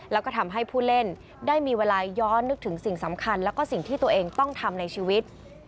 แล้วก็ทำให้ผู้เล่นได้มีเวลาย้อนนึกถึงสิ่งสำคัญแล้วก็สิ่งที่ตัวเองต้องทำในชีวิต